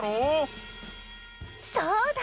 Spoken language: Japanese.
そうだ！